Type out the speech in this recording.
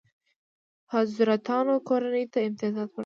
حضرتانو کورنۍ ته امتیازات ورکړل.